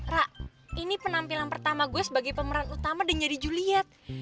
rak ini penampilan pertama gue sebagai pemeran utama dan jadi juliet